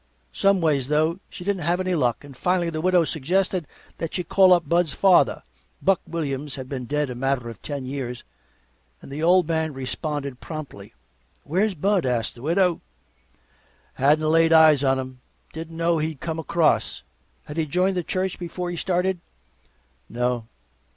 Someways though, she didn't have any luck, and finally the Widow suggested that she call up Bud's father Buck Williams had been dead a matter of ten years and the old man responded promptly. "Where's Bud?" asked the Widow. Hadn't laid eyes on him. Didn't know he'd come across. Had he joined the church before he started? "No."